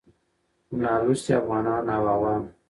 خو نالوستي افغانان او عوام